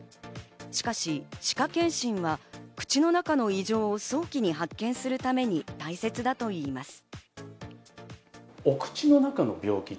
しかし歯科健診は、口の中の異常を早期に発見するために大切だといいます。